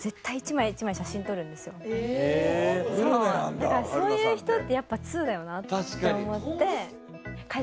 だからそういう人ってやっぱ通だよなって思って。